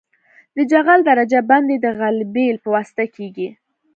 د جغل درجه بندي د غلبیل په واسطه کیږي